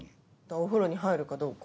お風呂に入るかどうか。